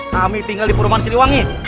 kami tinggal di perumahan siliwangi